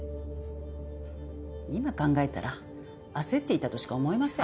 今考えたら焦っていたとしか思えません。